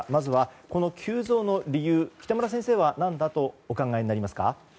この急増の理由、北村先生は何だとお考えになりますか？